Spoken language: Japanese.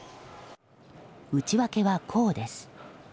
内訳は、こうです。